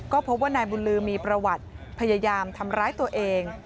ก็พบว่านายบุญลือมีประวัติพยายามทำร้ายตัวเอง